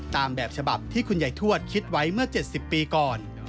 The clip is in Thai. ตามแบบฉบับที่คุณยายทวดคิดไว้เมื่อ๗๐ปีก่อน